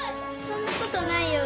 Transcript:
そんなことないよ。